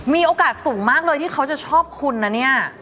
มีโอกาสสูงมากเลยที่เขาจะชอบคุณนะเนี่ย